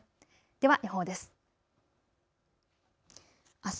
では予報です。